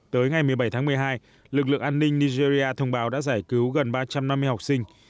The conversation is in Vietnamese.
tới ngày một mươi bảy tháng một mươi hai lực lượng an ninh nigeria thông báo đã giải cứu gần ba trăm năm mươi học sinh